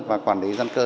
và quản lý dân cư